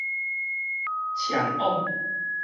䢢往